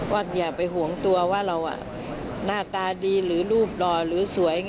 อย่าไปห่วงตัวว่าเราหน้าตาดีหรือรูปหล่อหรือสวย